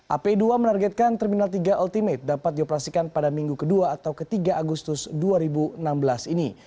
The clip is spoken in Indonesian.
ap dua menargetkan terminal tiga ultimate dapat dioperasikan pada minggu kedua atau ketiga agustus dua ribu enam belas ini